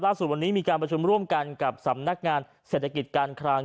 วันนี้มีการประชุมร่วมกันกับสำนักงานเศรษฐกิจการคลัง